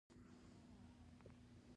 نازولې نرمې، نرمې وږمې واخله